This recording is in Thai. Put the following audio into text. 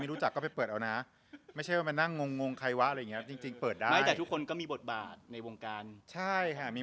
ไม่ใช่แต่เดี๋ยวถ้าคนฟังรายการเขาอาจจะแบบว่าใครบ้างอะไรอย่างนี้